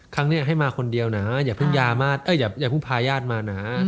ครั้งเนี่ยให้มาคนเดียวนะอย่าพึ่งพาญาติมาน้า